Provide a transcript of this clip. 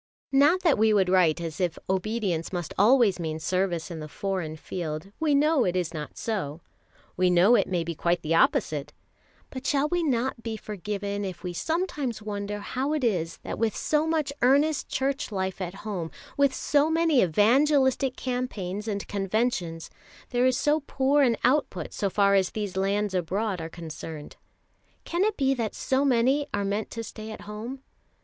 Not that we would write as if obedience must always mean service in the foreign field. We know it is not so: we know it may be quite the opposite; but shall we not be forgiven if we sometimes wonder how it is that with so much earnest Church life at home, with so many evangelistic campaigns, and conventions, there is so poor an output so far as these lands abroad are concerned? Can it be that so many are meant to stay at home?